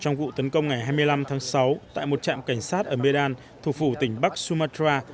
trong vụ tấn công ngày hai mươi năm tháng sáu tại một trạm cảnh sát ở medan thuộc phủ tỉnh bắc sumatra